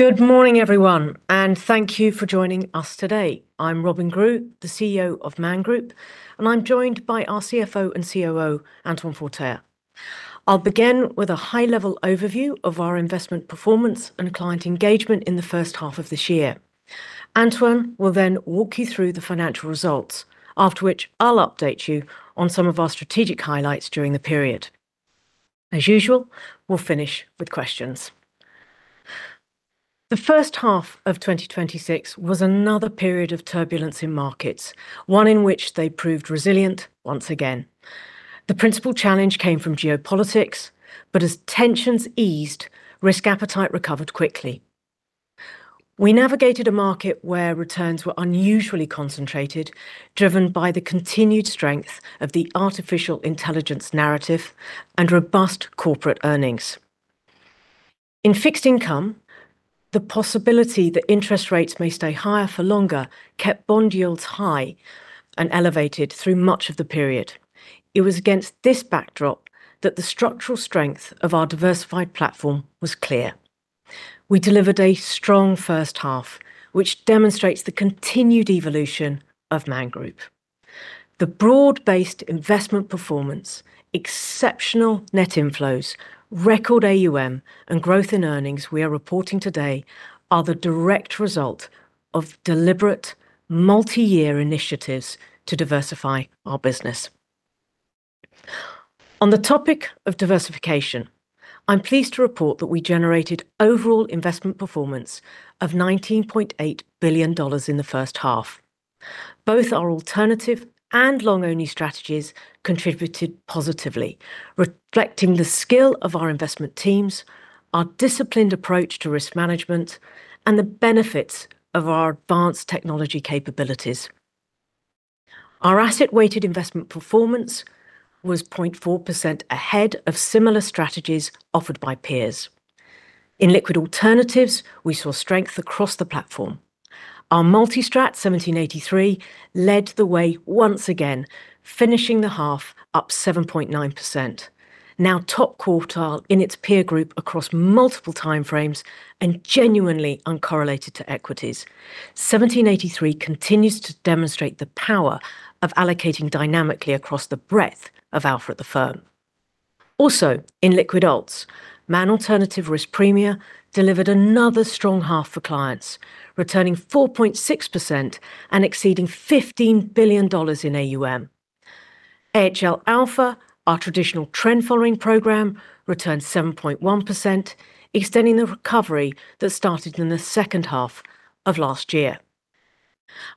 Good morning, everyone, and thank you for joining us today. I'm Robyn Grew, the CEO of Man Group, and I'm joined by our CFO and COO, Antoine Forterre. I'll begin with a high-level overview of our investment performance and client engagement in the first half of this year. Antoine will then walk you through the financial results, after which I'll update you on some of our strategic highlights during the period. As usual, we'll finish with questions. The first half of 2026 was another period of turbulence in markets, one in which they proved resilient once again. The principal challenge came from geopolitics, but as tensions eased, risk appetite recovered quickly. We navigated a market where returns were unusually concentrated, driven by the continued strength of the artificial intelligence narrative and robust corporate earnings. In fixed income, the possibility that interest rates may stay higher for longer kept bond yields high and elevated through much of the period. It was against this backdrop that the structural strength of our diversified platform was clear. We delivered a strong first half, which demonstrates the continued evolution of Man Group. The broad-based investment performance, exceptional net inflows, record AUM, and growth in earnings we are reporting today are the direct result of deliberate multi-year initiatives to diversify our business. On the topic of diversification, I'm pleased to report that we generated overall investment performance of $19.8 billion in the first half. Both our alternative and long-only strategies contributed positively, reflecting the skill of our investment teams, our disciplined approach to risk management, and the benefits of our advanced technology capabilities. Our asset-weighted investment performance was 0.4% ahead of similar strategies offered by peers. In liquid alternatives, we saw strength across the platform. Our multi-strat, 1783, led the way once again, finishing the half up 7.9%. Now top quartile in its peer group across multiple timeframes and genuinely uncorrelated to equities. 1783 continues to demonstrate the power of allocating dynamically across the breadth of alpha at the firm. Man Alternative Risk Premia delivered another strong half for clients, returning 4.6% and exceeding $15 billion in AUM. AHL Alpha, our traditional trend following program, returned 7.1%, extending the recovery that started in the second half of last year.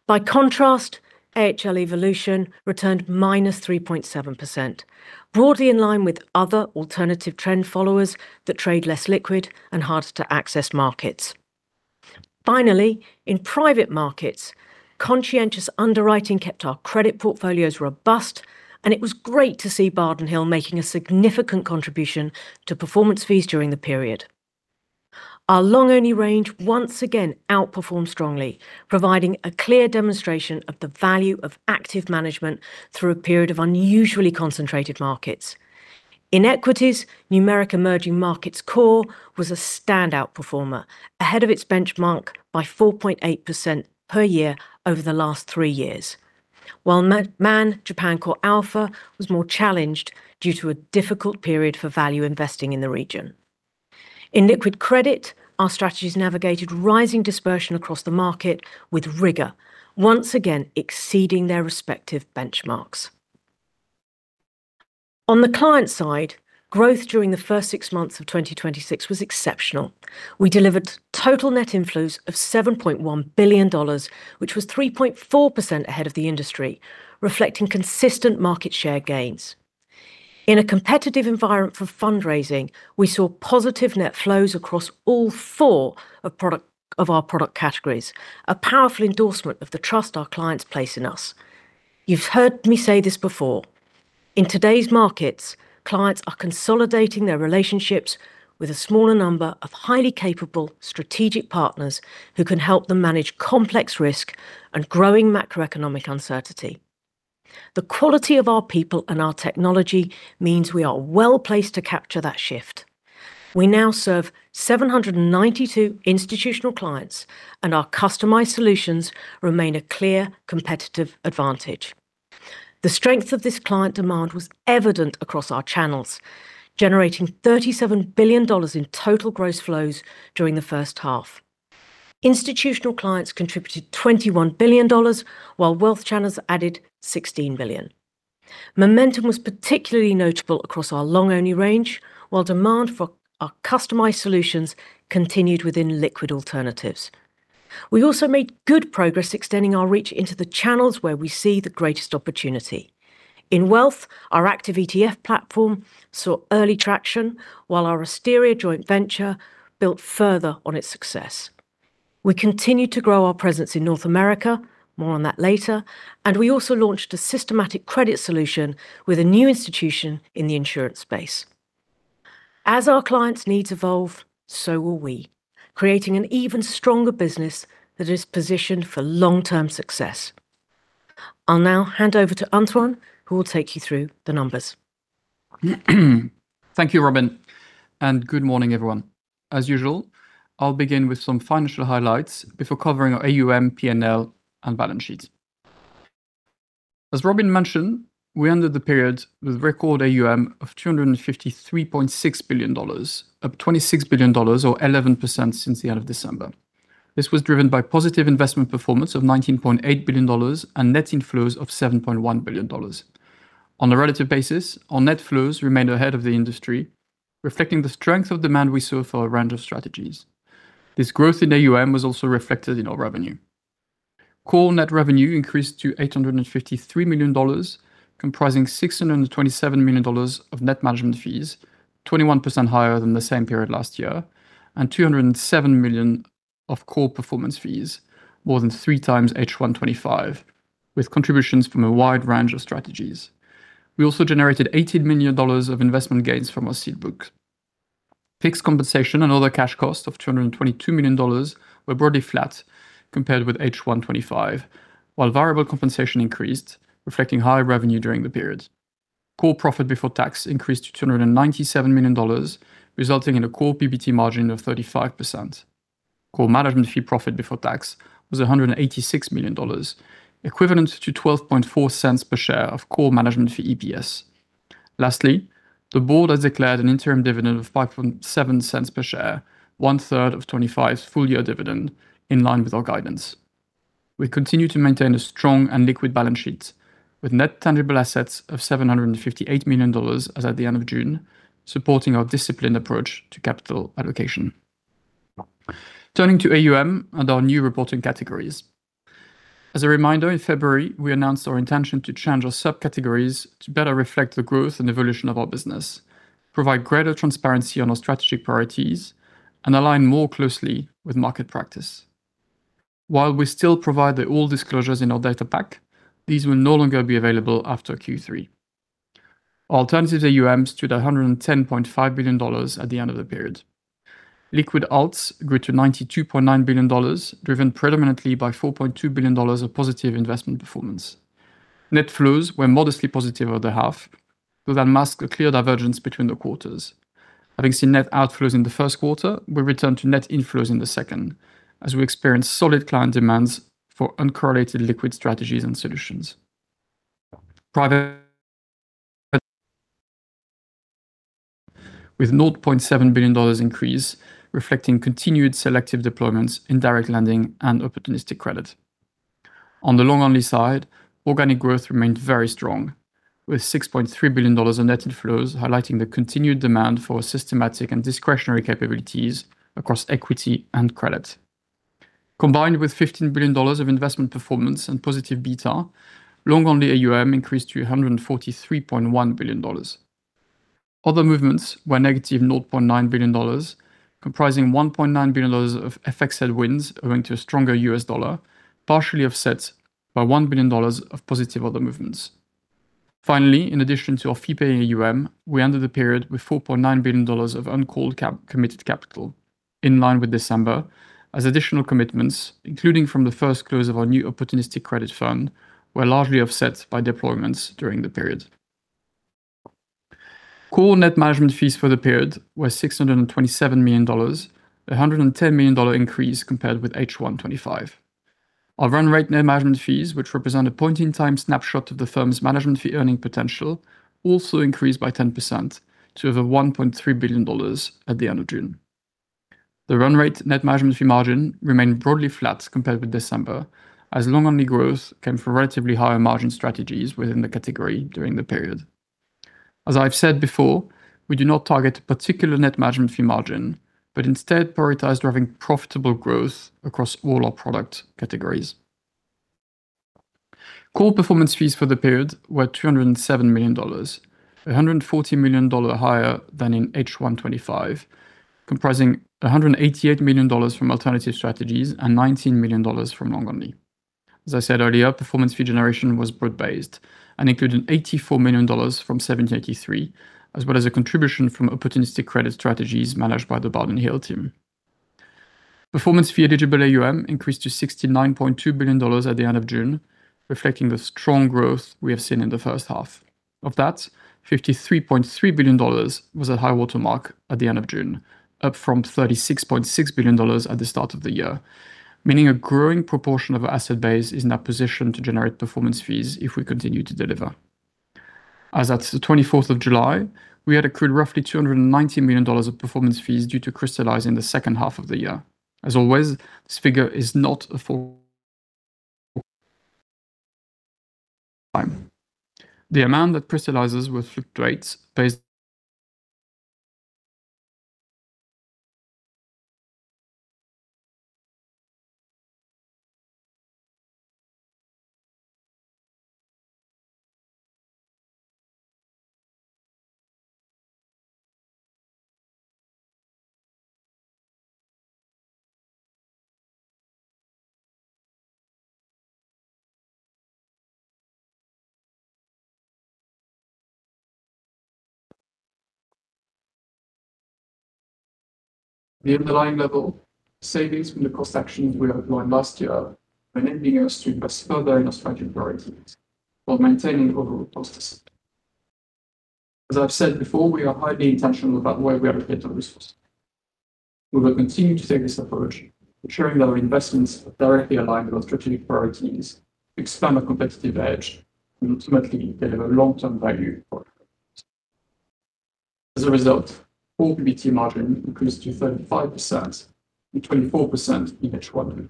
By contrast, AHL Evolution returned -3.7%, broadly in line with other alternative trend followers that trade less liquid and harder to access markets. Finally, in private markets, conscientious underwriting kept our credit portfolios robust, and it was great to see Bardin Hill making a significant contribution to performance fees during the period. Our long only range once again outperformed strongly, providing a clear demonstration of the value of active management through a period of unusually concentrated markets. In equities, Numeric Emerging Markets Core was a standout performer, ahead of its benchmark by 4.8% per year over the last three years. While Man Japan CoreAlpha was more challenged due to a difficult period for value investing in the region. In liquid credit, our strategies navigated rising dispersion across the market with rigor, once again exceeding their respective benchmarks. On the client side, growth during the first six months of 2026 was exceptional. We delivered total net inflows of $7.1 billion, which was 3.4% ahead of the industry, reflecting consistent market share gains. In a competitive environment for fundraising, we saw positive net flows across all four of our product categories, a powerful endorsement of the trust our clients place in us. You've heard me say this before, in today's markets, clients are consolidating their relationships with a smaller number of highly capable strategic partners who can help them manage complex risk and growing macroeconomic uncertainty. The quality of our people and our technology means we are well-placed to capture that shift. We now serve 792 institutional clients, and our customized solutions remain a clear competitive advantage. The strength of this client demand was evident across our channels, generating $37 billion in total gross flows during the first half. Institutional clients contributed $21 billion, while wealth channels added $16 billion. Momentum was particularly notable across our long only range, while demand for our customized solutions continued within liquid alternatives. We also made good progress extending our reach into the channels where we see the greatest opportunity. In wealth, our active ETF platform saw early traction, while our Asteria joint venture built further on its success. We continued to grow our presence in North America, more on that later. We also launched a systematic credit solution with a new institution in the insurance space. As our clients' needs evolve, so will we, creating an even stronger business that is positioned for long-term success. I'll now hand over to Antoine, who will take you through the numbers. Thank you, Robyn. Good morning, everyone. As usual, I'll begin with some financial highlights before covering our AUM, P&L, and balance sheet. As Robyn mentioned, we ended the period with record AUM of $253.6 billion, up $26 billion, or 11% since the end of December. This was driven by positive investment performance of $19.8 billion and net inflows of $7.1 billion. On a relative basis, our net flows remained ahead of the industry, reflecting the strength of demand we saw for a range of strategies. This growth in AUM was also reflected in our revenue. Core net revenue increased to $853 million, comprising $627 million of net management fees, 21% higher than the same period last year, and $207 million of core performance fees, more than 3x H1 2025, with contributions from a wide range of strategies. We also generated $80 million of investment gains from our seed book. Fixed compensation and other cash costs of $222 million were broadly flat compared with H1 2025, while variable compensation increased, reflecting higher revenue during the period. Core profit before tax increased to $297 million, resulting in a core PBT margin of 35%. Core management fee profit before tax was $186 million, equivalent to $0.124 per share of core management fee EPS. Lastly, the board has declared an interim dividend of $0.057 per share, one-third of 2025's full-year dividend, in line with our guidance. We continue to maintain a strong and liquid balance sheet with net tangible assets of $758 million as at the end of June, supporting our disciplined approach to capital allocation. Turning to AUM and our new reporting categories. As a reminder, in February, we announced our intention to change our subcategories to better reflect the growth and evolution of our business, provide greater transparency on our strategic priorities, and align more closely with market practice. While we still provide the old disclosures in our data pack, these will no longer be available after Q3. Our alternatives AUM stood at $110.5 billion at the end of the period. Liquid alts grew to $92.9 billion, driven predominantly by $4.2 billion of positive investment performance. Net flows were modestly positive over the half, though that masks a clear divergence between the quarters. Having seen net outflows in the first quarter, we returned to net inflows in the second as we experienced solid client demands for uncorrelated liquid strategies and solutions. Private with $0.7 billion increase, reflecting continued selective deployments in direct lending and opportunistic credit. On the long only side, organic growth remained very strong with $6.3 billion of net inflows, highlighting the continued demand for systematic and discretionary capabilities across equity and credit. Combined with $15 billion of investment performance and positive beta, long only AUM increased to $143.1 billion. Other movements were -$0.9 billion, comprising $1.9 billion of FX headwinds owing to a stronger US dollar, partially offset by $1 billion of positive other movements. Finally, in addition to our fee-paying AUM, we ended the period with $4.9 billion of uncalled committed capital, in line with December, as additional commitments, including from the first close of our new opportunistic credit fund, were largely offset by deployments during the period. Core net management fees for the period were $627 million, $110 million increase compared with H1 2025. Our run rate net management fees, which represent a point-in-time snapshot of the firm's management fee earning potential, also increased by 10% to over $1.3 billion at the end of June. The run rate net management fee margin remained broadly flat compared with December as long only growth came from relatively higher margin strategies within the category during the period. As I've said before, we do not target a particular net management fee margin, but instead prioritize driving profitable growth across all our product categories. Core performance fees for the period were $207 million, $140 million higher than in H1 2025, comprising $188 million from alternative strategies and $19 million from long only. As I said earlier, performance fee generation was broad-based and included $84 million from 1783, as well as a contribution from opportunistic credit strategies managed by the Bardin Hill team. Performance fee eligible AUM increased to $69.2 billion at the end of June, reflecting the strong growth we have seen in the first half. Of that, $53.3 billion was a high-water mark at the end of June, up from $36.6 billion at the start of the year, meaning a growing proportion of our asset base is in a position to generate performance fees if we continue to deliver. As at the 24th of July, we had accrued roughly $290 million of performance fees due to crystallize in the second half of the year. As always, this figure is not a full. The amount that crystallizes will fluctuate based. The underlying level savings from the cost actions we outlined last year are enabling us to invest further in our strategic priorities while maintaining overall cost discipline. As I've said before, we are highly intentional about the way we allocate our resources. We will continue to take this approach, ensuring that our investments are directly aligned with our strategic priorities to expand our competitive edge and ultimately deliver long-term value for our shareholders. As a result, core PBT margin increased to 35%, from 24% in H1,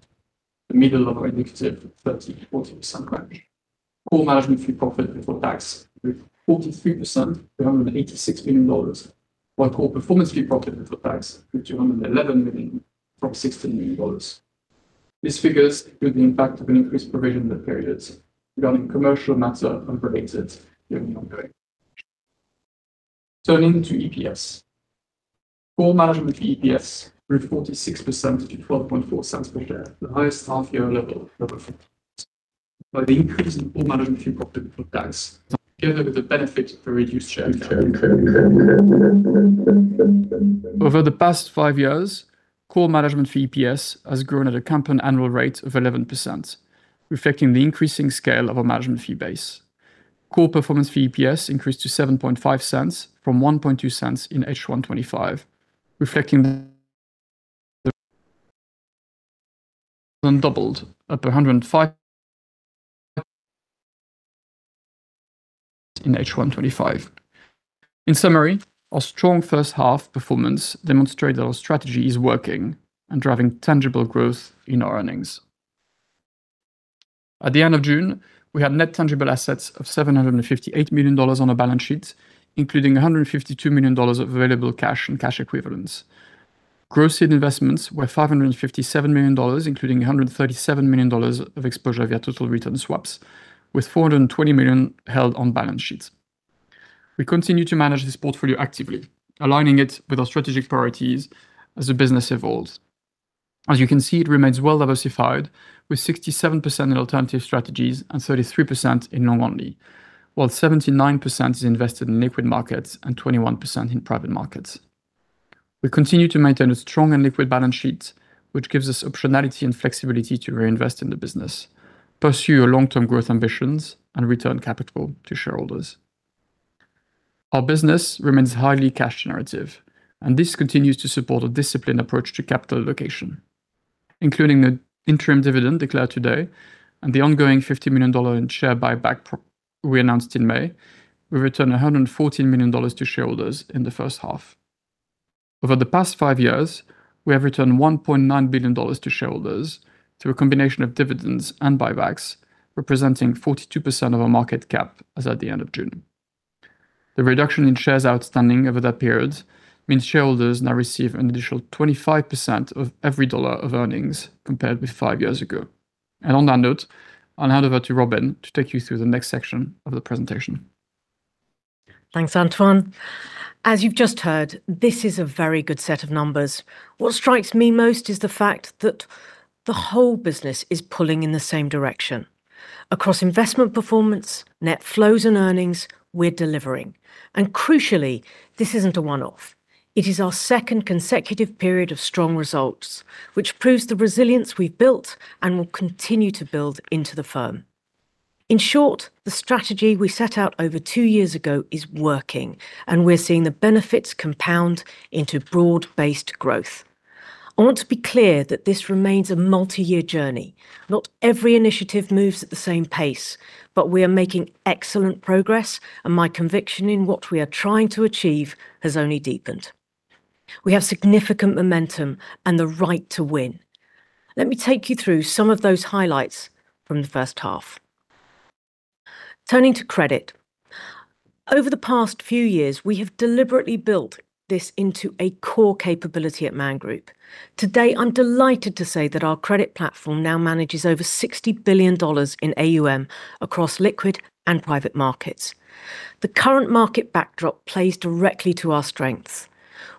the middle of our indicative 30%-40% range. Core management fee profit before tax grew 43% to $186 million, while core performance fee profit before tax grew to $111 million from $16 million. These figures include the impact of an increased provision in the period regarding commercial matters unrelated to any ongoing. Turning to EPS. Core management fee EPS grew 46% to $0.124 per share, the highest half year level ever for the firm, by the increase in core management fee profit before tax together with the benefit of a reduced share capital. Over the past five years, core management fee EPS has grown at a compound annual rate of 11%, reflecting the increasing scale of our management fee base. Core performance fee EPS increased to $0.075 from $0.012 in H1 2025, reflecting the than doubled up 105 in H1 2025. In summary, our strong first half performance demonstrate that our strategy is working and driving tangible growth in our earnings. At the end of June, we had net tangible assets of $758 million on our balance sheet, including $152 million of available cash and cash equivalents. Gross seed investments were $557 million, including $137 million of exposure via total return swaps, with $420 million held on balance sheet. We continue to manage this portfolio actively, aligning it with our strategic priorities as the business evolves. As you can see, it remains well-diversified with 67% in alternative strategies and 33% in long only, while 79% is invested in liquid markets and 21% in private markets. We continue to maintain a strong and liquid balance sheet, which gives us optionality and flexibility to reinvest in the business, pursue our long-term growth ambitions, and return capital to shareholders. Our business remains highly cash generative, this continues to support a disciplined approach to capital allocation, including the interim dividend declared today and the ongoing $50 million share buyback we announced in May. We returned $114 million to shareholders in the first half. Over the past five years, we have returned $1.9 billion to shareholders through a combination of dividends and buybacks, representing 42% of our market cap as at the end of June. The reduction in shares outstanding over that period means shareholders now receive an additional 25% of every dollar of earnings compared with five years ago. On that note, I'll hand over to Robyn to take you through the next section of the presentation. Thanks, Antoine. As you've just heard, this is a very good set of numbers. What strikes me most is the fact that the whole business is pulling in the same direction. Across investment performance, net flows, and earnings, we're delivering. Crucially, this isn't a one-off. It is our second consecutive period of strong results, which proves the resilience we've built and will continue to build into the firm. In short, the strategy we set out over two years ago is working, and we're seeing the benefits compound into broad-based growth. I want to be clear that this remains a multi-year journey. Not every initiative moves at the same pace, but we are making excellent progress, and my conviction in what we are trying to achieve has only deepened. We have significant momentum and the right to win. Let me take you through some of those highlights from the first half. Turning to credit. Over the past few years, we have deliberately built this into a core capability at Man Group. Today, I'm delighted to say that our credit platform now manages over $60 billion in AUM across liquid and private markets. The current market backdrop plays directly to our strengths.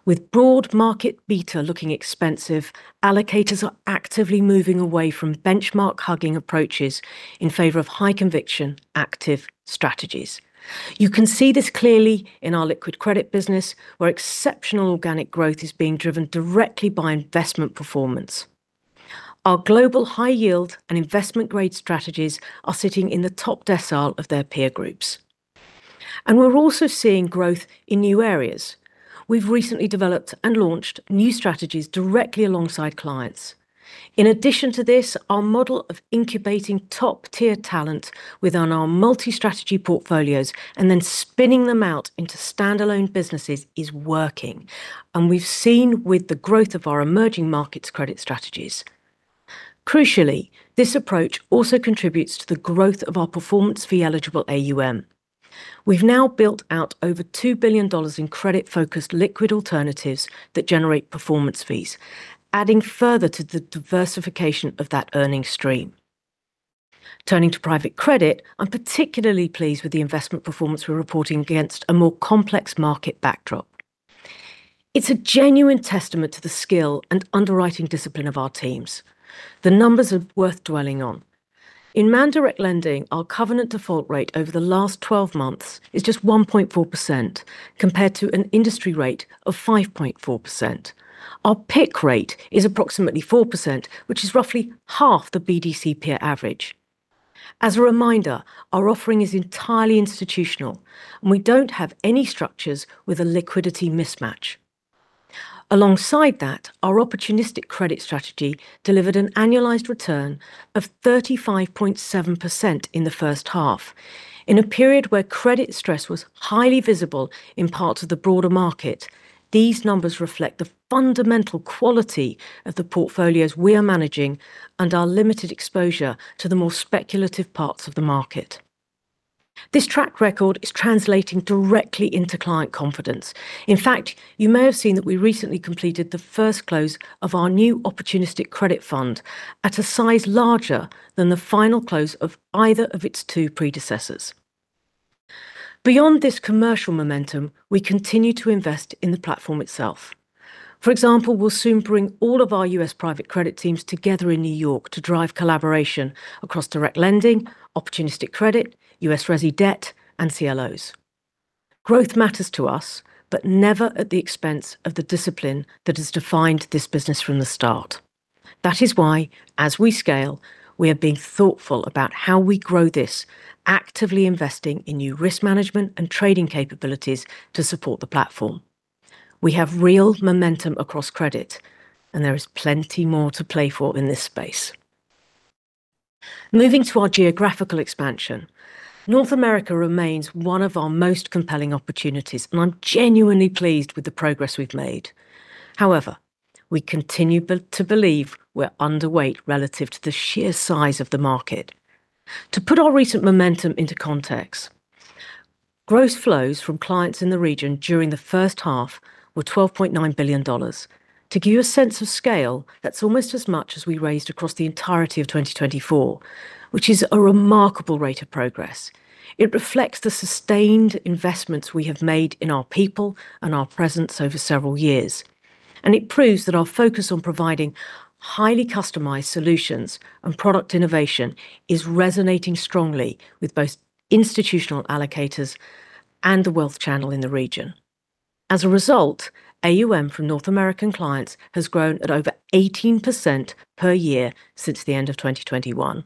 With broad market beta looking expensive, allocators are actively moving away from benchmark-hugging approaches in favor of high-conviction, active strategies. You can see this clearly in our liquid credit business, where exceptional organic growth is being driven directly by investment performance. Our global high yield and investment-grade strategies are sitting in the top decile of their peer groups. We're also seeing growth in new areas. We've recently developed and launched new strategies directly alongside clients. In addition to this, our model of incubating top-tier talent within our multi-strategy portfolios and then spinning them out into standalone businesses is working, and we've seen with the growth of our emerging markets credit strategies. Crucially, this approach also contributes to the growth of our performance fee eligible AUM. We've now built out over $2 billion in credit-focused liquid alternatives that generate performance fees, adding further to the diversification of that earnings stream. Turning to private credit, I'm particularly pleased with the investment performance we're reporting against a more complex market backdrop. It's a genuine testament to the skill and underwriting discipline of our teams. The numbers are worth dwelling on. In Man Direct Lending, our covenant default rate over the last 12 months is just 1.4%, compared to an industry rate of 5.4%. Our PIK rate is approximately 4%, which is roughly half the BDC peer average. As a reminder, our offering is entirely institutional, and we don't have any structures with a liquidity mismatch. Alongside that, our opportunistic credit strategy delivered an annualized return of 35.7% in the first half. In a period where credit stress was highly visible in parts of the broader market, these numbers reflect the fundamental quality of the portfolios we are managing and our limited exposure to the more speculative parts of the market. This track record is translating directly into client confidence. In fact, you may have seen that we recently completed the first close of our new opportunistic credit fund at a size larger than the final close of either of its two predecessors. Beyond this commercial momentum, we continue to invest in the platform itself. For example, we'll soon bring all of our U.S. private credit teams together in New York to drive collaboration across direct lending, opportunistic credit, U.S. resi debt, and CLOs. Growth matters to us, but never at the expense of the discipline that has defined this business from the start. That is why, as we scale, we are being thoughtful about how we grow this, actively investing in new risk management and trading capabilities to support the platform. We have real momentum across credit, and there is plenty more to play for in this space. Moving to our geographical expansion, North America remains one of our most compelling opportunities, and I'm genuinely pleased with the progress we've made. However, we continue to believe we're underweight relative to the sheer size of the market. To put our recent momentum into context, gross flows from clients in the region during the first half were $12.9 billion. To give you a sense of scale, that's almost as much as we raised across the entirety of 2024, which is a remarkable rate of progress. It reflects the sustained investments we have made in our people and our presence over several years, and it proves that our focus on providing highly customized solutions and product innovation is resonating strongly with both institutional allocators and the wealth channel in the region. As a result, AUM from North American clients has grown at over 18% per year since the end of 2021.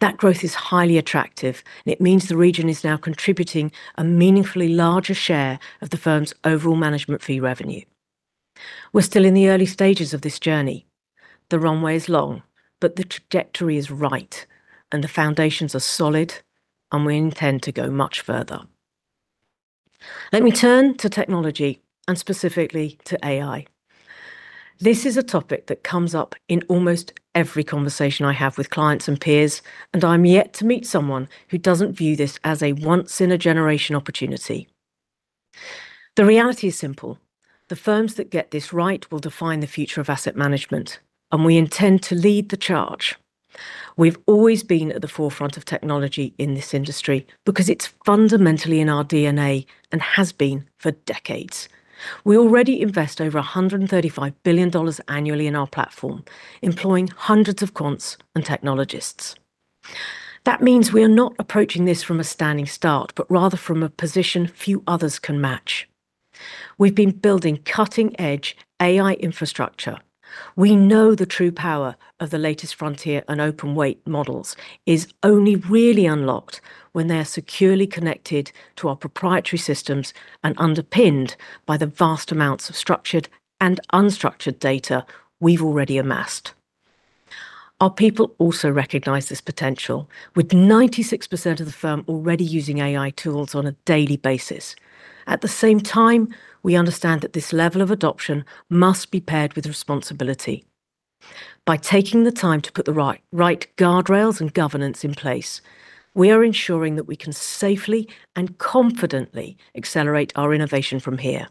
That growth is highly attractive, and it means the region is now contributing a meaningfully larger share of the firm's overall management fee revenue. We're still in the early stages of this journey. The runway is long, but the trajectory is right, and the foundations are solid, and we intend to go much further. Let me turn to technology and specifically to AI. This is a topic that comes up in almost every conversation I have with clients and peers, and I'm yet to meet someone who doesn't view this as a once-in-a-generation opportunity. The reality is simple. The firms that get this right will define the future of asset management, and we intend to lead the charge. We've always been at the forefront of technology in this industry because it's fundamentally in our DNA and has been for decades. We already invest over $135 billion annually in our platform, employing hundreds of quants and technologists. That means we are not approaching this from a standing start, but rather from a position few others can match. We've been building cutting-edge AI infrastructure. We know the true power of the latest frontier and open-weight models is only really unlocked when they are securely connected to our proprietary systems and underpinned by the vast amounts of structured and unstructured data we've already amassed. Our people also recognize this potential. With 96% of the firm already using AI tools on a daily basis. At the same time, we understand that this level of adoption must be paired with responsibility. By taking the time to put the right guardrails and governance in place, we are ensuring that we can safely and confidently accelerate our innovation from here.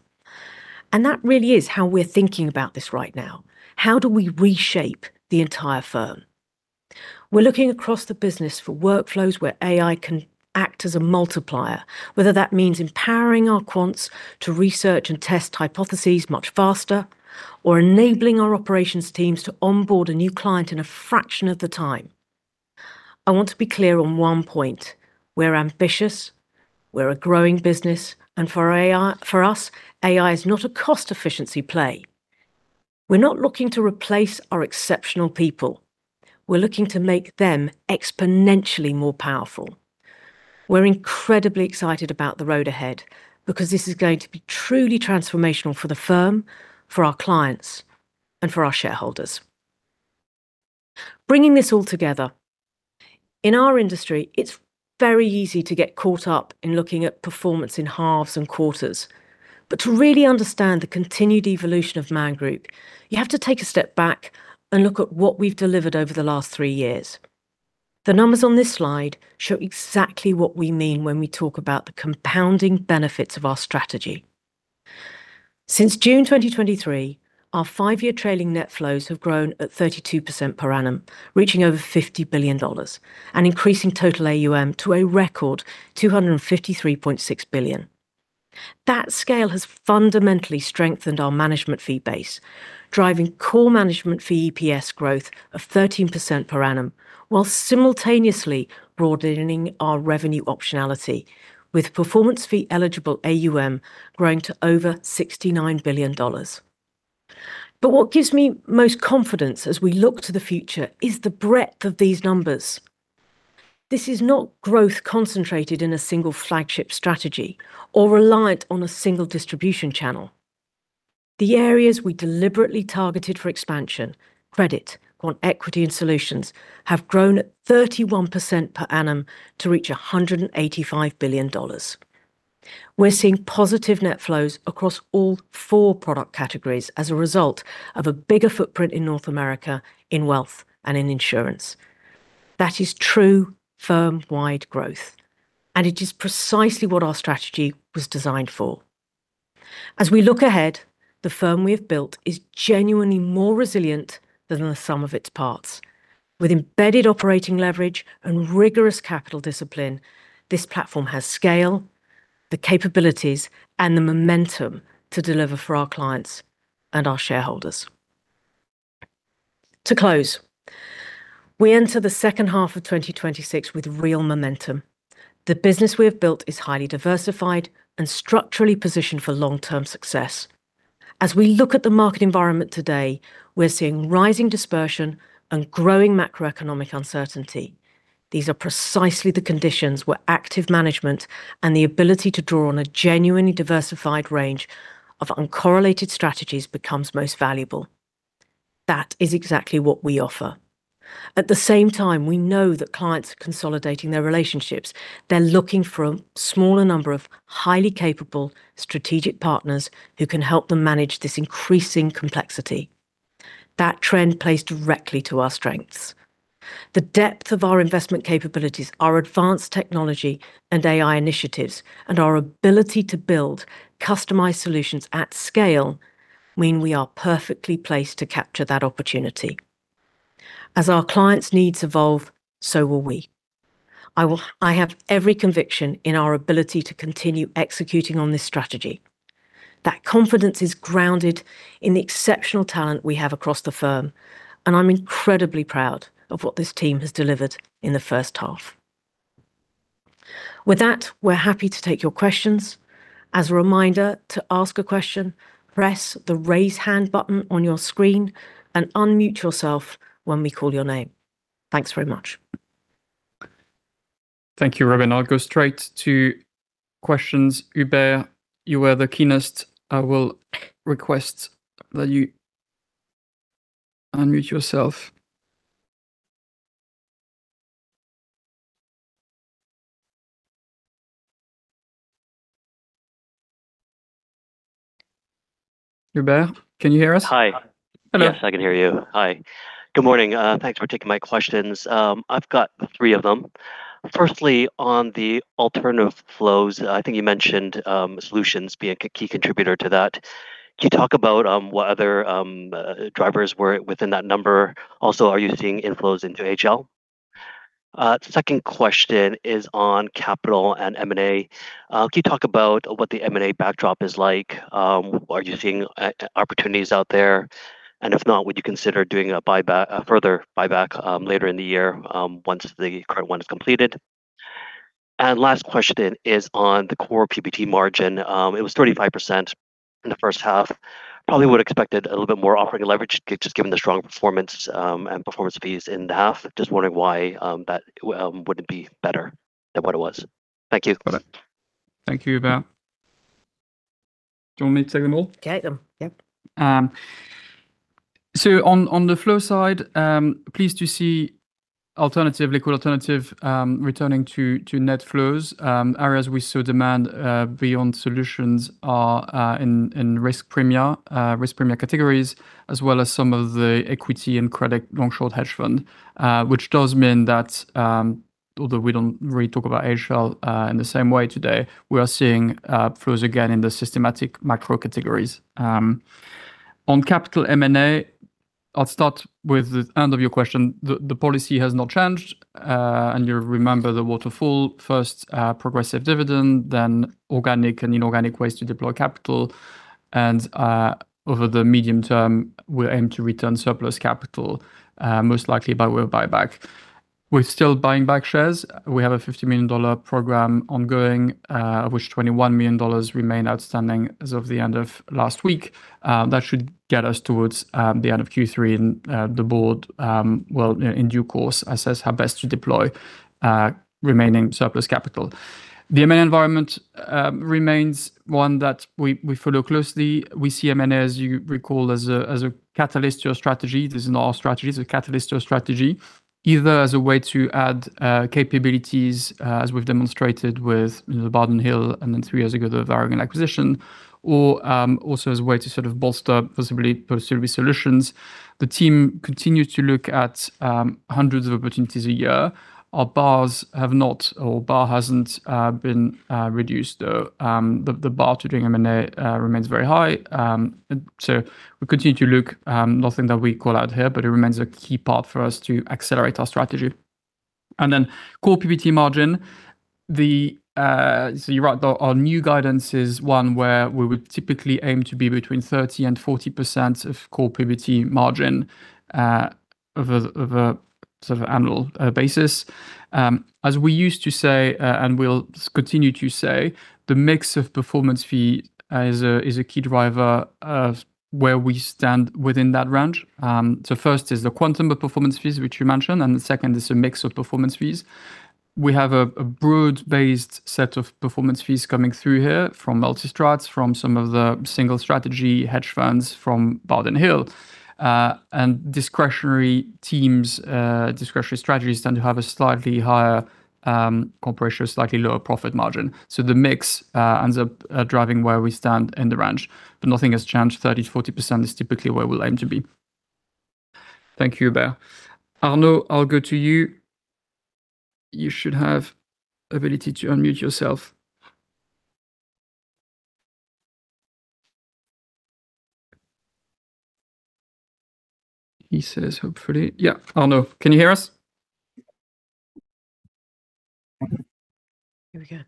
That really is how we're thinking about this right now. How do we reshape the entire firm? We're looking across the business for workflows where AI can act as a multiplier, whether that means empowering our quants to research and test hypotheses much faster or enabling our operations teams to onboard a new client in a fraction of the time. I want to be clear on one point. We're ambitious. We're a growing business, and for us, AI is not a cost efficiency play. We're not looking to replace our exceptional people. We're looking to make them exponentially more powerful. We're incredibly excited about the road ahead because this is going to be truly transformational for the firm, for our clients, and for our shareholders. Bringing this all together. In our industry, it's very easy to get caught up in looking at performance in halves and quarters. To really understand the continued evolution of Man Group, you have to take a step back and look at what we've delivered over the last three years. The numbers on this slide show exactly what we mean when we talk about the compounding benefits of our strategy. Since June 2023, our five-year trailing net flows have grown at 32% per annum, reaching over $50 billion and increasing total AUM to a record $253.6 billion. That scale has fundamentally strengthened our management fee base, driving core management fee EPS growth of 13% per annum while simultaneously broadening our revenue optionality with performance fee eligible AUM growing to over $69 billion. What gives me most confidence as we look to the future is the breadth of these numbers. This is not growth concentrated in a single flagship strategy or reliant on a single distribution channel. The areas we deliberately targeted for expansion, credit, quant equity, and solutions, have grown at 31% per annum to reach $185 billion. We're seeing positive net flows across all four product categories as a result of a bigger footprint in North America, in wealth, and in insurance. That is true firm-wide growth, and it is precisely what our strategy was designed for. As we look ahead, the firm we have built is genuinely more resilient than the sum of its parts. With embedded operating leverage and rigorous capital discipline, this platform has scale, the capabilities, and the momentum to deliver for our clients and our shareholders. To close, we enter the second half of 2026 with real momentum. The business we have built is highly diversified and structurally positioned for long-term success. As we look at the market environment today, we're seeing rising dispersion and growing macroeconomic uncertainty. These are precisely the conditions where active management and the ability to draw on a genuinely diversified range of uncorrelated strategies becomes most valuable. That is exactly what we offer. At the same time, we know that clients are consolidating their relationships. They're looking for a smaller number of highly capable strategic partners who can help them manage this increasing complexity. That trend plays directly to our strengths. The depth of our investment capabilities, our advanced technology and AI initiatives, and our ability to build customized solutions at scale mean we are perfectly placed to capture that opportunity. As our clients' needs evolve, so will we. I have every conviction in our ability to continue executing on this strategy. That confidence is grounded in the exceptional talent we have across the firm, and I'm incredibly proud of what this team has delivered in the first half. With that, we're happy to take your questions. As a reminder, to ask a question, press the raise hand button on your screen and unmute yourself when we call your name. Thanks very much. Thank you, Robyn. I'll go straight to questions. Hubert, you were the keenest. I will request that you unmute yourself. Hubert, can you hear us? Hi. Hello. Yes, I can hear you. Hi. Good morning. Thanks for taking my questions. I've got three of them. Firstly, on the alternative flows, I think you mentioned solutions being a key contributor to that. Can you talk about what other drivers were within that number? Also, are you seeing inflows into AHL? The second question is on capital and M&A. Can you talk about what the M&A backdrop is like? Are you seeing opportunities out there? If not, would you consider doing a further buyback later in the year once the current one is completed? Last question is on the core PBT margin. It was 35% in the first half. Probably would've expected a little bit more operating leverage, just given the strong performance and performance fees in the half. Just wondering why that wouldn't be better than what it was. Thank you. Got it. Thank you, Hubert. Do you want me to take them all? Take them. Yep. On the flow side, pleased to see liquid alternative returning to net flows. Areas we saw demand beyond solutions are in Risk Premia categories, as well as some of the equity and credit long, short hedge fund. Does mean that although we don't really talk about AHL in the same way today, we are seeing flows again in the systematic macro categories. On capital M&A, I'll start with the end of your question. The policy has not changed. You remember the waterfall, first progressive dividend, then organic and inorganic ways to deploy capital, and over the medium term, we aim to return surplus capital, most likely by way of buyback. We're still buying back shares. We have a $50 million program ongoing, of which $21 million remain outstanding as of the end of last week. That should get us towards the end of Q3 and the board will, in due course, assess how best to deploy remaining surplus capital. The M&A environment remains one that we follow closely. We see M&A, as you recall, as a catalyst to our strategy. This is not our strategy. It's a catalyst to our strategy, either as a way to add capabilities, as we've demonstrated with the Bardin Hill, and then three years ago, the Varagon acquisition, or also as a way to sort of bolster visibility post-service solutions. The team continues to look at hundreds of opportunities a year. Our bars have not, or bar hasn't been reduced. The bar to doing M&A remains very high. We continue to look. Nothing that we call out here, but it remains a key part for us to accelerate our strategy. Core PBT margin. You're right, our new guidance is one where we would typically aim to be between 30% and 40% of core PBT margin of an annual basis. As we used to say, and we'll continue to say, the mix of performance fee is a key driver of where we stand within that range. First is the quantum of performance fees, which you mentioned, and the second is a mix of performance fees. We have a broad-based set of performance fees coming through here from multi-strats, from some of the single strategy hedge funds, from Bardin Hill. Discretionary teams, discretionary strategies tend to have a slightly higher core ratio, slightly lower profit margin. The mix ends up driving where we stand in the range. Nothing has changed. 30%-40% is typically where we'll aim to be. Thank you, Hubert. Arnaud, I'll go to you. You should have ability to unmute yourself. He says, hopefully. Yeah, Arnaud, can you hear us? Here we go.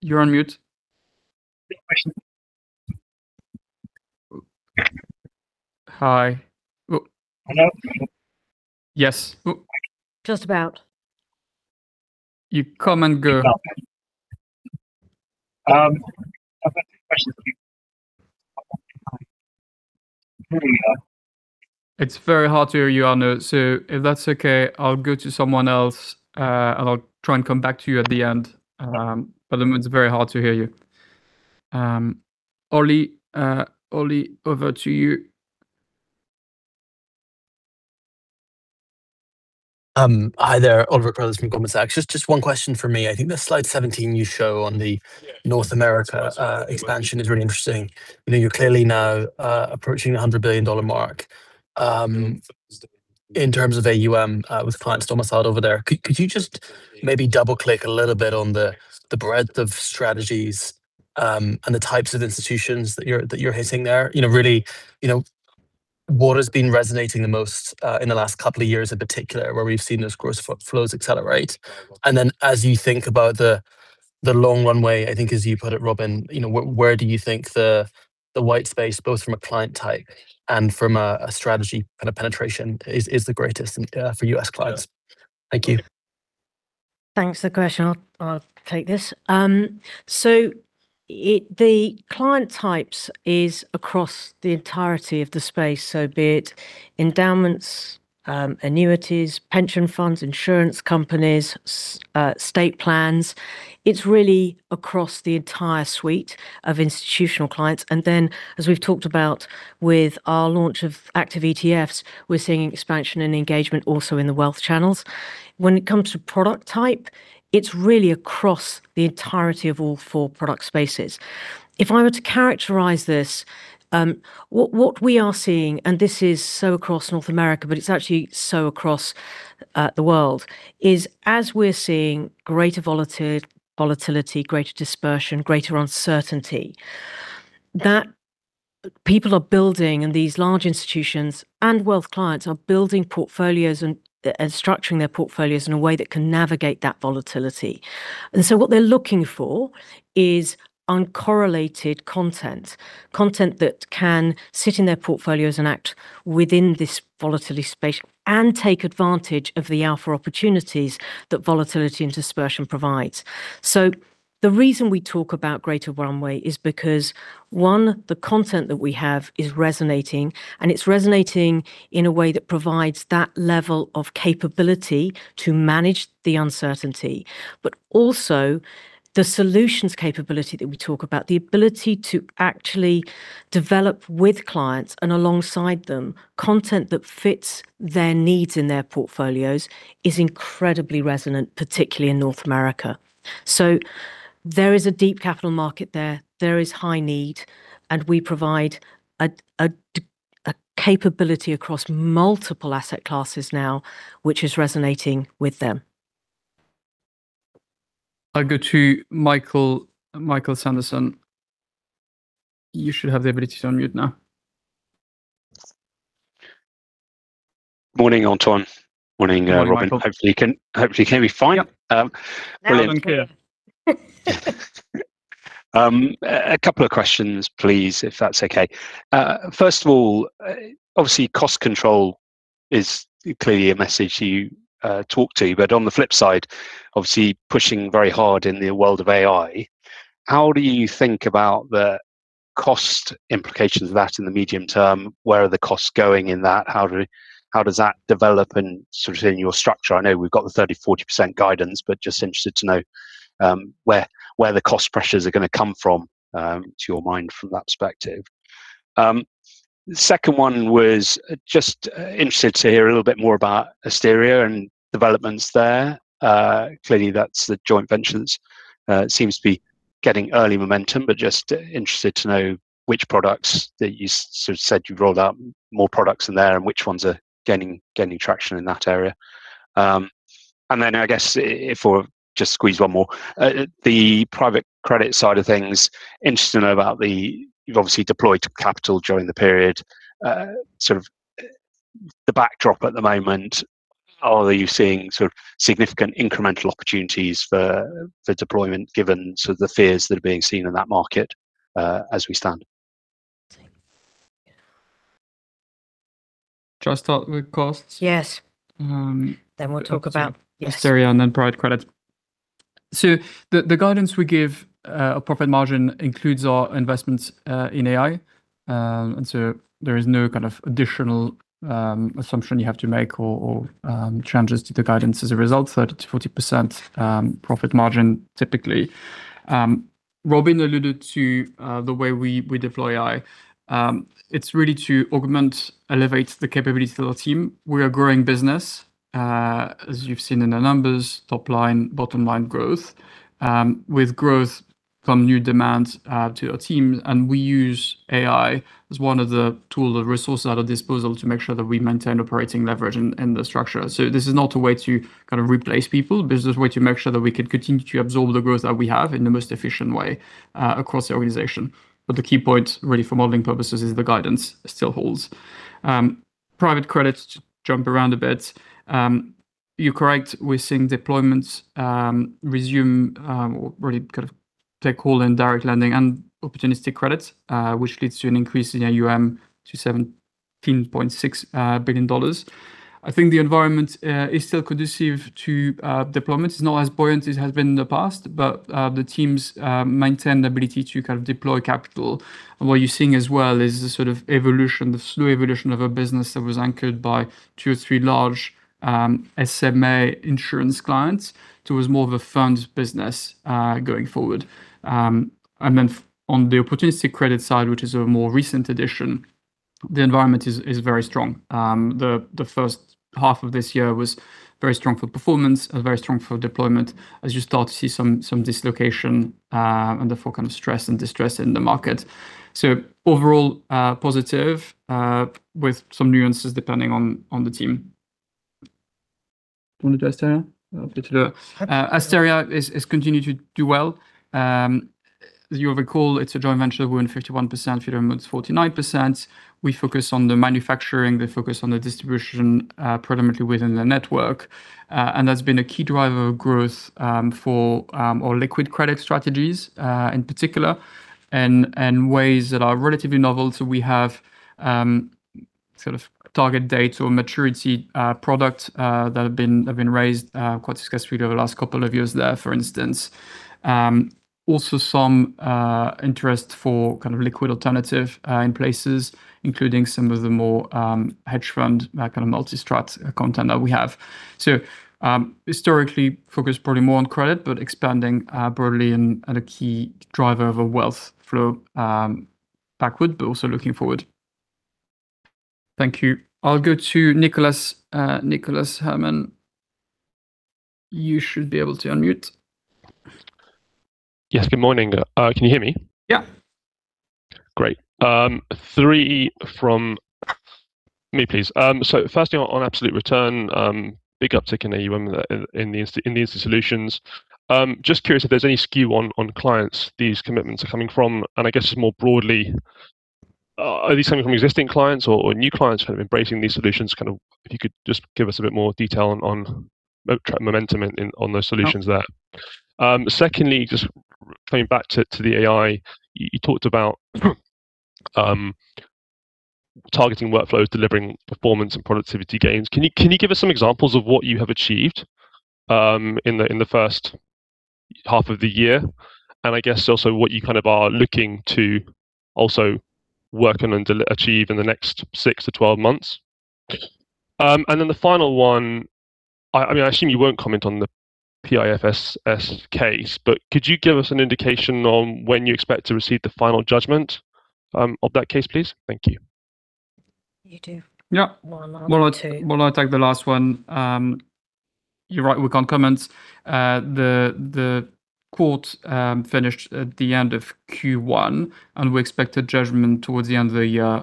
You're on mute. Question. Hi. Hello. Yes. Just about. You come and go. I've got two questions for you. Here we are. It's very hard to hear you, Arnaud. If that's okay, I'll go to someone else, and I'll try and come back to you at the end. At the moment, it's very hard to hear you. Oli, over to you. Hi there, Oliver Carruthers from Goldman Sachs. Just one question from me. I think the slide 17 you show on the North America expansion is really interesting. You're clearly now approaching the $100 billion mark in terms of AUM with clients domiciled over there. Could you just maybe double click a little bit on the breadth of strategies and the types of institutions that you're hitting there? Really, what has been resonating the most in the last couple of years in particular, where we've seen those gross flows accelerate? As you think about the long runway, I think as you put it, Robyn, where do you think the white space, both from a client type and from a strategy kind of penetration is the greatest for U.S. clients? Thank you. Thanks for the question. I'll take this. The client types is across the entirety of the space, so be it endowments, annuities, pension funds, insurance companies, state plans. It's really across the entire suite of institutional clients. As we've talked about with our launch of active ETFs, we're seeing expansion and engagement also in the wealth channels. When it comes to product type, it's really across the entirety of all four product spaces. If I were to characterize this, what we are seeing, and this is so across North America, but it's actually so across the world, is as we're seeing greater volatility, greater dispersion, greater uncertainty, that people are building, and these large institutions and wealth clients are building portfolios and structuring their portfolios in a way that can navigate that volatility. What they're looking for is uncorrelated content that can sit in their portfolios and act within this volatile space and take advantage of the alpha opportunities that volatility and dispersion provides. The reason we talk about greater runway is because, one, the content that we have is resonating, and it's resonating in a way that provides that level of capability to manage the uncertainty. Also the solutions capability that we talk about, the ability to actually develop with clients and alongside them, content that fits their needs in their portfolios is incredibly resonant, particularly in North America. There is a deep capital market there. There is high need, and we provide a capability across multiple asset classes now, which is resonating with them. I'll go to Michael Sanderson. You should have the ability to unmute now. Morning, Antoine. Morning, Robyn. Morning, Michael. Hopefully you can hear me fine. Yep. Now we can. A couple of questions, please, if that's okay. First of all, obviously cost control is clearly a message you talk to, but on the flip side, obviously pushing very hard in the world of AI, how do you think about the cost implications of that in the medium term? Where are the costs going in that? How does that develop in your structure? I know we've got the 30%-40% guidance, but just interested to know where the cost pressures are going to come from, to your mind, from that perspective. Second one was just interested to hear a little bit more about Asteria and developments there. Clearly, that's the joint venture that seems to be getting early momentum, but just interested to know which products that you said you'd roll out more products in there, and which ones are gaining traction in that area. I guess if we'll just squeeze one more. The private credit side of things, interested to know about, you've obviously deployed capital during the period. The backdrop at the moment, are you seeing significant incremental opportunities for deployment given the fears that are being seen in that market as we stand? Same. Yeah. Shall I start with costs? Yes. We'll talk about. Yes. Asteria, private credit. The guidance we give, a profit margin includes our investments in AI. There is no kind of additional assumption you have to make or changes to the guidance as a result, 30%-40% profit margin typically. Robyn alluded to the way we deploy AI. It's really to augment, elevate the capabilities of the team. We are growing business, as you've seen in the numbers, top line, bottom line growth. With growth come new demands to our team, and we use AI as one of the tools and resources at our disposal to make sure that we maintain operating leverage in the structure. This is not a way to replace people. This is a way to make sure that we can continue to absorb the growth that we have in the most efficient way across the organization. The key point really for modeling purposes is the guidance still holds. Private credits, jump around a bit. You're correct. We're seeing deployments resume or really take hold in direct lending and opportunistic credits, which leads to an increase in AUM to $17.6 billion. I think the environment is still conducive to deployments. It's not as buoyant as it has been in the past, but the teams maintain the ability to deploy capital. What you're seeing as well is the sort of evolution, the slow evolution of a business that was anchored by two or three large SMA insurance clients towards more of a fund business going forward. On the opportunistic credit side, which is a more recent addition, the environment is very strong. The first half of this year was very strong for performance and very strong for deployment as you start to see some dislocation and therefore stress and distress in the market. Overall, positive with some nuances depending on the team. Want to do Asteria? I'll do it. Asteria has continued to do well. As you will recall, it's a joint venture. We own 51%, Fideuram owns 49%. We focus on the manufacturing, they focus on the distribution, predominantly within the network. That's been a key driver of growth for our liquid credit strategies in particular, and ways that are relatively novel. We have target date or maturity products that have been raised quite successfully over the last couple of years there, for instance. Also some interest for kind of liquid alternative in places, including some of the more hedge fund, kind of multi-strat content that we have. Historically focused probably more on credit, but expanding broadly and a key driver of a wealth flow backward, but also looking forward. Thank you. I'll go to Nicholas. Nicholas Herman. You should be able to unmute. Yes, good morning. Can you hear me? Yeah. Great. Three from me, please. Firstly, on absolute return, big uptick in AUM in these solutions. Just curious if there's any skew on clients these commitments are coming from, and I guess just more broadly, are these coming from existing clients or new clients who have been embracing these solutions? If you could just give us a bit more detail on momentum on those solutions there. Yeah. Secondly, coming back to the AI, you talked about targeting workflows, delivering performance and productivity gains. Can you give us some examples of what you have achieved in the first half of the year, and I guess also what you are looking to also work on and achieve in the next 6-12 months? The final one, I assume you won't comment on the PIFSS case, but could you give us an indication on when you expect to receive the final judgment of that case, please? Thank you. You do one. I'll do two. Well, I'll take the last one. You're right, we can't comment. The court finished at the end of Q1, and we expect a judgment towards the end of the year,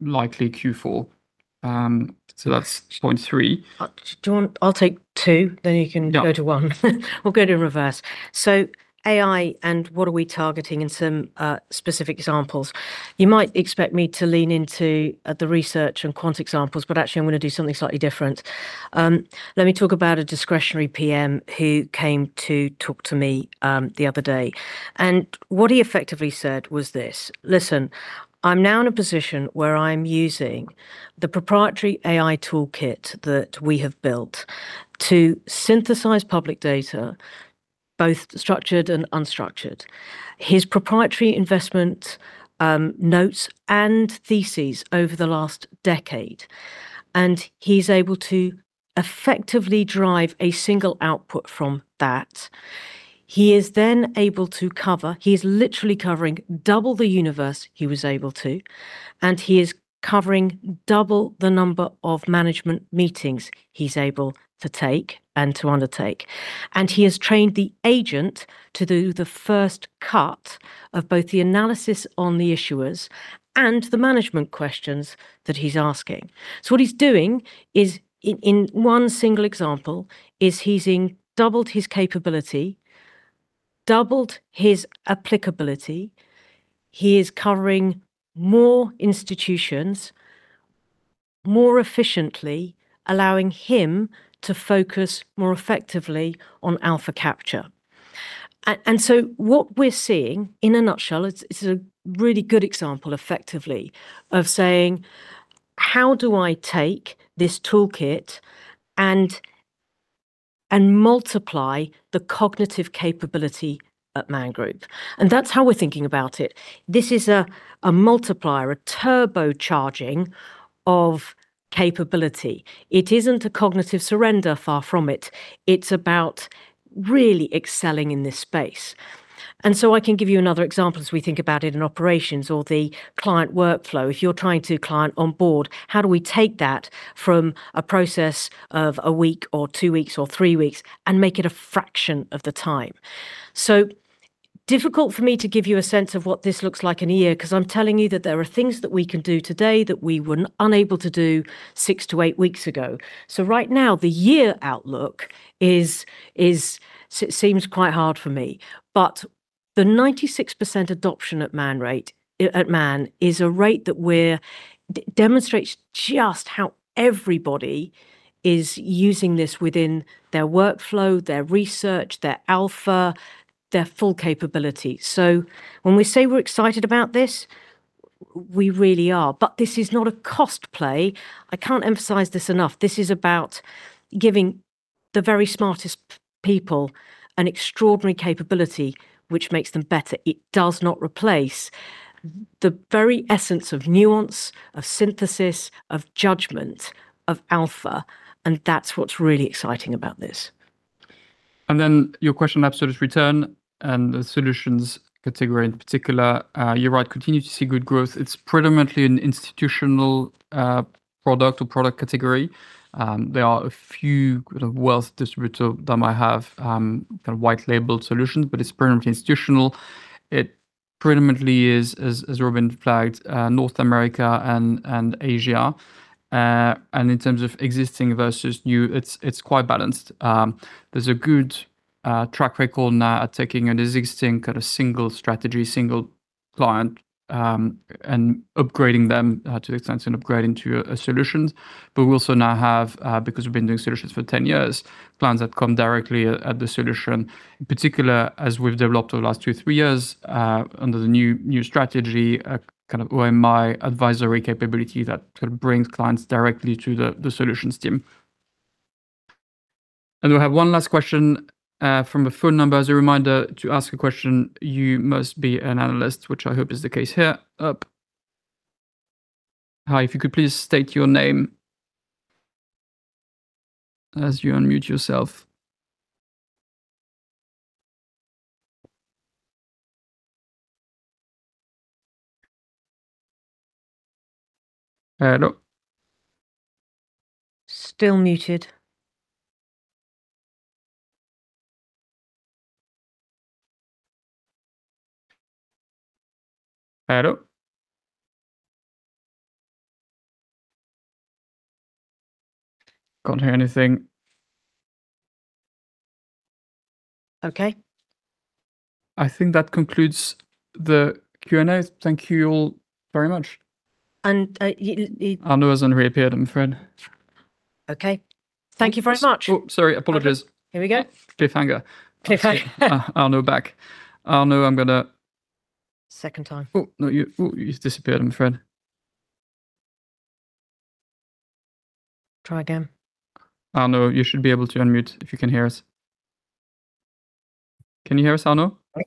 likely Q4. That's point three. I'll take two, then you can go to one. We'll go in reverse. AI and what are we targeting and some specific examples. You might expect me to lean into the research and quant examples, but actually, I'm going to do something slightly different. Let me talk about a discretionary PM who came to talk to me the other day. What he effectively said was this, "Listen, I'm now in a position where I'm using the proprietary AI toolkit that we have built to synthesize public data, both structured and unstructured." His proprietary investment notes and theses over the last decade, and he's able to effectively drive a single output from that. He is then able to cover double the universe he was able to, and he is covering double the number of management meetings he's able to take and to undertake. He has trained the agent to do the first cut of both the analysis on the issuers and the management questions that he's asking. What he's doing in one single example, is he's doubled his capability. Doubled his applicability. He is covering more institutions more efficiently, allowing him to focus more effectively on alpha capture. What we're seeing, in a nutshell, it's a really good example, effectively, of saying, "How do I take this toolkit and multiply the cognitive capability at Man Group?" That's how we're thinking about it. This is a multiplier, a turbocharging of capability. It isn't a cognitive surrender, far from it. It's about really excelling in this space. I can give you another example as we think about it in operations or the client workflow. If you're trying to client on board, how do we take that from a process of a week, or two weeks, or three weeks and make it a fraction of the time? Difficult for me to give you a sense of what this looks like in a year, because I'm telling you that there are things that we can do today that we were unable to do six to eight weeks ago. Right now, the year outlook seems quite hard for me. The 96% adoption at Man is a rate that demonstrates just how everybody is using this within their workflow, their research, their alpha, their full capability. When we say we're excited about this, we really are. This is not a cost play. I can't emphasize this enough. This is about giving the very smartest people an extraordinary capability, which makes them better. It does not replace the very essence of nuance, of synthesis, of judgment, of alpha. That's what's really exciting about this. Your question on absolute return and the solutions category in particular. You're right, continue to see good growth. It's predominantly an institutional product or product category. There are a few wealth distributors that might have white label solutions, it's predominantly institutional. It predominantly is, as Robyn flagged, North America and Asia. In terms of existing versus new, it's quite balanced. There's a good track record now at taking an existing single strategy, single client, and upgrading them to the extent and upgrade into solutions. We also now have, because we've been doing solutions for 10 years, clients that come directly at the solution. In particular, as we've developed over the last two, three years under the new strategy, OMI advisory capability that brings clients directly to the solutions team. We'll have one last question from a phone number. As a reminder, to ask a question, you must be an analyst, which I hope is the case here. Hi, if you could please state your name as you unmute yourself. No. Still muted. Hello? Can't hear anything. Okay. I think that concludes the Q&A. Thank you all very much. You- Arnaud has unreappeared, I'm afraid. Okay. Thank you very much. Oh, sorry. Apologize. Here we go. Cliffhanger. Cliffhanger. Arnaud back. Arnaud, I'm gonna. Second time. Oh, no, you've disappeared, I'm afraid. Try again. Arnaud, you should be able to unmute if you can hear us. Can you hear us, Arnaud? I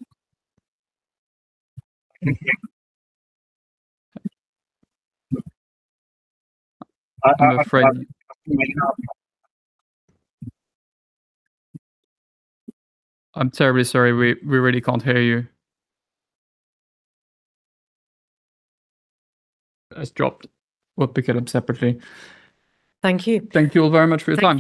can hear you. I'm terribly sorry, we really can't hear you. It's dropped. We'll pick it up separately. Thank you. Thank you all very much for your time.